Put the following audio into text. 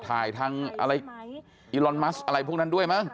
ถ่ายทางอะไรอีลอนมัสอะไรพวกนั้นด้วยมั้ง